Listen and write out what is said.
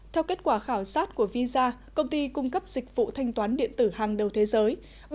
theo kết quả khảo sát của visa công ty cung cấp dịch vụ thanh toán điện tử hàng đầu thế giới